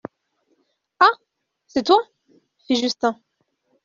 Ah ! c'est toi ? fit Justin.